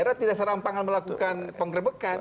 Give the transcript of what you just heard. karena tidak serampangan melakukan penggerbekan